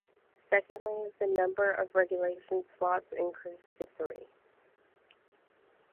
Secondly, the number of relegation slots increased to three.